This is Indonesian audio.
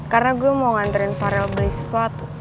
karena gue mau nganterin farel beli sesuatu